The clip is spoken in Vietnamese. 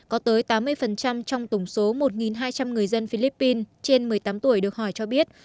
có tới tám mươi trong tổng số một hai trăm linh người dân philippines trên một mươi tám tuổi được hỏi cho biết